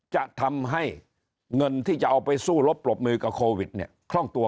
จะทำให้เงินที่จะเอาไปสู้รบปรบมือกับโควิดเนี่ยคล่องตัว